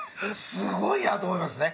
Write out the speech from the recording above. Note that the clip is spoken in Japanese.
すごいやと思いますね。